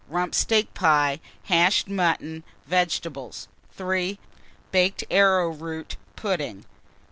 Rump steak pie, hashed mutton, vegetables. 3. Baked arrowroot pudding.